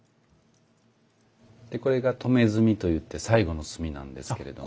でこれが止炭と言って最後の炭なんですけれども。